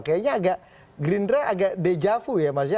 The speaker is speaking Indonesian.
kayaknya agak gerindra agak dejavu ya maksudnya